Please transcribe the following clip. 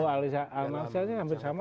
oh aliasnya hampir sama